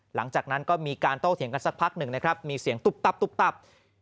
หลังจากนั้นก็มีการโต้เถียงกันสักพักหนึ่งนะครับมีเสียงตุ๊บตับตุ๊บตับ